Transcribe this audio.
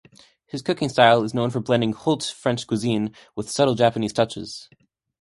His cooking style is known for blending haute French cuisine with subtle Japanese touches.